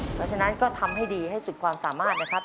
เพราะฉะนั้นก็ทำให้ดีให้สุดความสามารถนะครับ